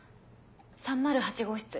３０８号室。